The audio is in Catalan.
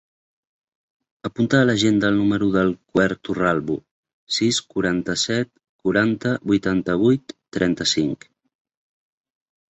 Apunta a l'agenda el número del Quer Torralbo: sis, quaranta-set, quaranta, vuitanta-vuit, trenta-cinc.